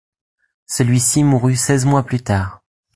Celui-ci mourut seize mois plus tard.